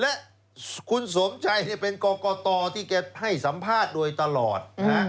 และคุณสมชัยเป็นกรกตที่แกให้สัมภาษณ์โดยตลอด